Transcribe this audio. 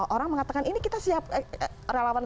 orang mengatakan ini kita siap relawan